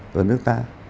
và nước ta